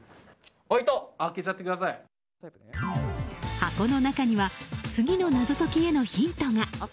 箱の中には次の謎解きへのヒントが。